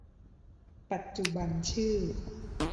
ปัจจุบันชื่อ